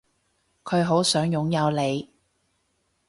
佢好想擁有你